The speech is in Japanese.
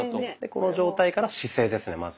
この状態から姿勢ですね